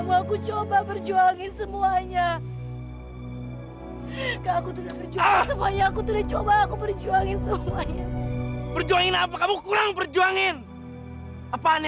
sampai jumpa di video selanjutnya